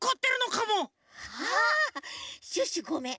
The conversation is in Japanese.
シュッシュごめん